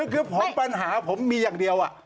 คือผมปัญหาผมมีอย่างเดียว